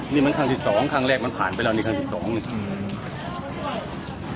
นี่มันครั้งที่สองครั้งแรกมันผ่านไปแล้วนี่ครั้งที่สองนี่อืม